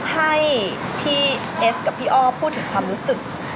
ให้พี่เอสกับพี่อ้อพูดถึงความรู้สึก